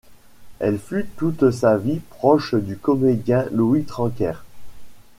Il fut toute sa vie proche du comédien Luis Trenker.